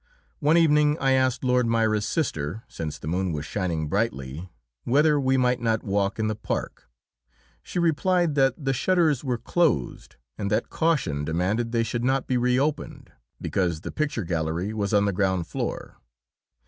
One evening I asked Lord Moira's sister, since the moon was shining brightly, whether we might not walk in the park. She replied that the shutters were closed and that caution demanded they should not be reopened, because the picture gallery was on the ground floor.